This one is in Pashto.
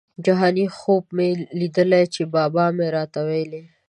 جهاني خوب مي لیدلی چي بابا مي راته وايی